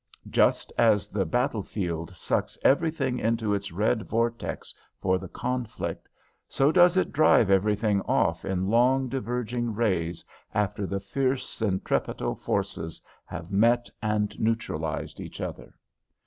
Just as the battle field sucks everything into its red vortex for the conflict, so does it drive everything off in long, diverging rays after the fierce centripetal forces have met and neutralized each other.